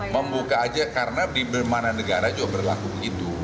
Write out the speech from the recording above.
membuka aja karena di mana negara juga berlaku begitu